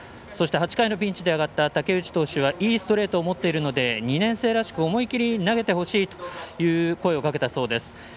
そして、８回のピンチで上がった武内投手はいいストレートを持っているので２年生らしく思い切り投げてほしいと声をかけたそうです。